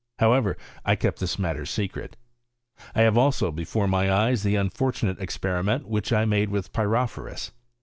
However, I kept this matter secret. I have also before my eyes the unfortunate experi ment which I made with pyrophorua.